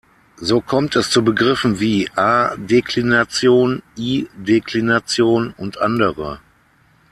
So kommt es zu Begriffen wie „a-Deklination“, „i-Deklination“ und andere.